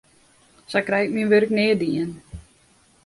Sa krij ik myn wurk nea dien.